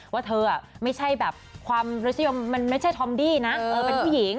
ว่าเธอไม่ใช่แบบความรสนิยมมันไม่ใช่ทอมดี้นะเป็นผู้หญิง